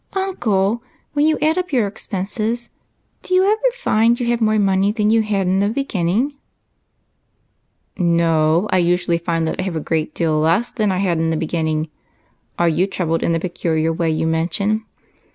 "Uncle, when you add up your expenses do you ever find you have got more money than you had in the beginning ?"" No ; I usually find that I have a good deal less than I had in the beginning. Are you troubled in the pe culiar way you mention